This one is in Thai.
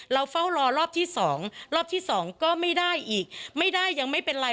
เฝ้ารอรอบที่สองรอบที่สองก็ไม่ได้อีกไม่ได้ยังไม่เป็นไร